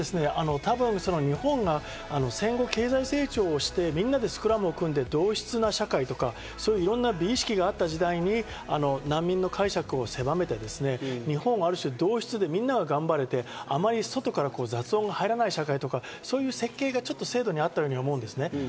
日本が戦後、経済成長して、みんなでスクラムを組んで同質な社会とかいろんな美意識があった時代に難民の解釈を狭めて、日本はある種、同質で、みんなが頑張れってあまり外から雑音が入らない社会とかそういう設計がちょっと制度にあったように思います。